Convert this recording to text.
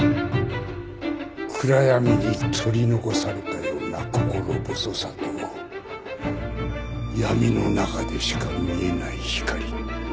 暗闇に取り残されたような心細さと闇の中でしか見えない光。